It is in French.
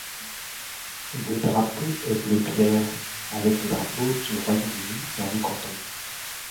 Le drapeau est bleu clair, avec le drapeau du Royaume-Uni dans le canton.